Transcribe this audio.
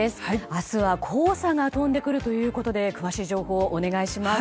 明日は黄砂が飛んでくるということで詳しい情報をお願いします。